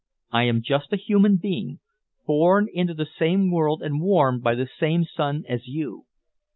I am just a human being, born into the same world and warmed by the same sun as you.